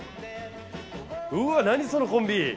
うわ何そのコンビ。